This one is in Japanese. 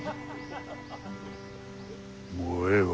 もうええわ。